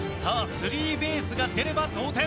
スリーベースが出れば同点。